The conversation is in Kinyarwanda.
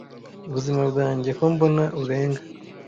Buzima bwanjye ko mbona urenga